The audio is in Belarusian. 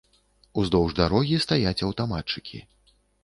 Уздоўж дарогі стаяць аўтаматчыкі.